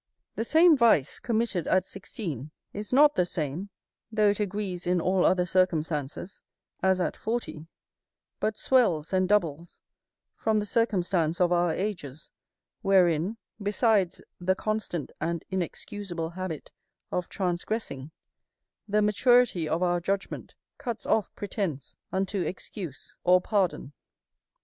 The same vice, committed at sixteen, is not the same, though it agrees in all other circumstances, as at forty; but swells and doubles from the circumstance of our ages, wherein, besides the constant and inexcusable habit of transgressing, the maturity of our judgment cuts off pretence unto excuse or pardon.